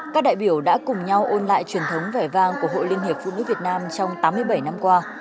các đại biểu đã cùng nhau ôn lại truyền thống vẻ vang của hội liên hiệp phụ nữ việt nam trong tám mươi bảy năm qua